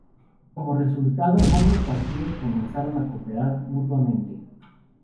Como resultado, ambos partidos comenzaron a cooperar mutuamente.